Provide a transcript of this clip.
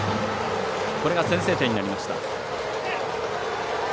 これが先制点になりました。